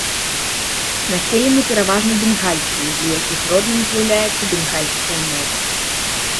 Населены пераважна бенгальцамі, для якіх родным з'яўляецца бенгальская мова.